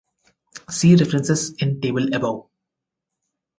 See references in table above.